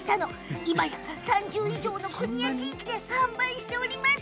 今や３０以上の国や地域で販売しております。